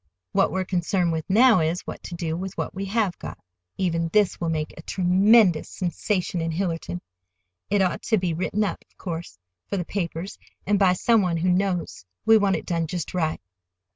What we're concerned with now is what to do with what we have got. Even this will make a tremendous sensation in Hillerton. It ought to be written up, of course, for the papers, and by some one who knows. We want it done just right.